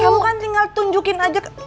kamu kan tinggal tunjukin aja